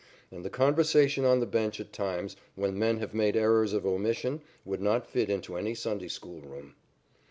And the conversation on the bench at times, when men have made errors of omission, would not fit into any Sunday school room.